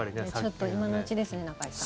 ちょっと、今のうちですね中居さん。